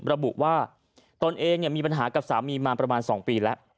ระบุว่าตนเองมีปัญหากับสามีมาประมาณ๒ปีแล้ว